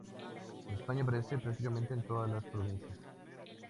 En España aparece prácticamente en todas las provincias.